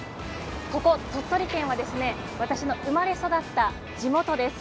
ここ鳥取県は私の生まれ育った地元です。